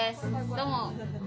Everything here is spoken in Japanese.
どうも。